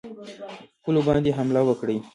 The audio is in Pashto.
پولو باندي حمله وکړي.